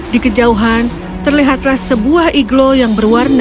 di kejauhan terlihatlah sebuah iglo yang berwarna